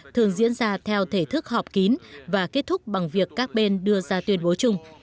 thường diễn ra theo thể thức họp kín và kết thúc bằng việc các bên đưa ra tuyên bố chung